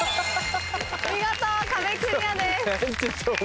見事壁クリアです。